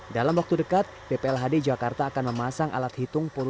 dalam waktu dekat bplhd jakarta akan memasang alat hitung